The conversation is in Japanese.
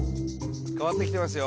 変わってきてますよ